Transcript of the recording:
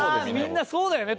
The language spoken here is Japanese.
みんなそうだよね